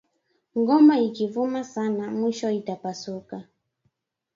Ngoma iki vuma sana mwisho ita pasuka